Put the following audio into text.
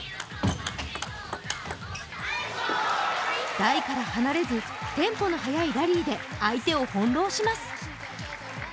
台から離れずテンポの速いラリーで相手を翻弄します。